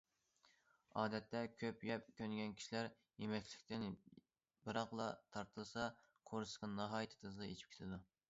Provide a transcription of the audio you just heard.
ئادەتتە كۆپ يەپ كۆنگەن كىشىلەر يېمەكلىكتىن بىراقلا تارتىلسا قورسىقى ناھايىتى تېزلا ئېچىپ كېتىدۇ.